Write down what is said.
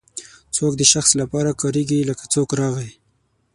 څوک د شخص لپاره کاریږي لکه څوک راغی.